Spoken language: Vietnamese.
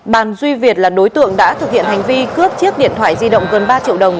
bàn duy việt là đối tượng đã thực hiện hành vi cướp chiếc điện thoại di động gần ba triệu đồng